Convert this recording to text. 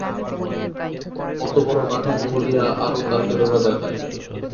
অতবড় কাঠামো বলিয়া আরও তাকে রোগা দেখায়।